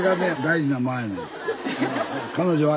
「彼女は？」